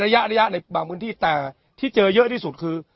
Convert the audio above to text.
ระยะในบางพื้นที่แต่ที่เจอเยอะที่สุดคือ